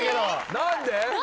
何で？